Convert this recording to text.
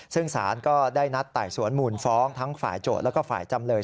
ซึ่งสารก็ได้นัดไต่สวนมูลฟ้องทั้งฝ่ายโจทย์แล้วก็ฝ่ายจำเลย